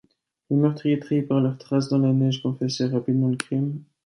Les meurtriers, trahis par leurs traces dans la neige, confessèrent rapidement le crime.